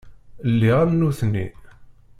Lliɣ am nutni.